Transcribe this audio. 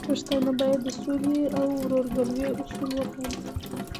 پښتانه بايد د سولې او ورورګلوي اصول وپالي.